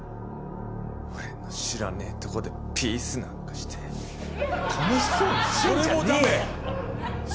俺の知らねぇとこでピースなんかして楽しそうにしてんじゃねえよ！